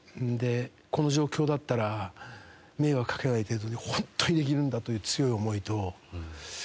この状況だったら迷惑かけない程度に本当にできるんだという強い思いと。